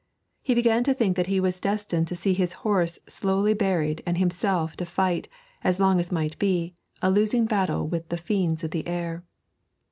He began to think that he was destined to see his horse slowly buried, and himself to fight, as long as might be, a losing battle with the fiends of the air.